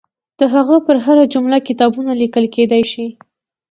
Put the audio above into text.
د هغه پر هره جمله کتابونه لیکل کېدلای شي.